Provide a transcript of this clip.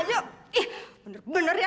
ih bener bener ya